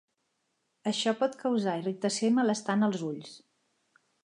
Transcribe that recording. Això pot causar irritació i malestar en els ulls.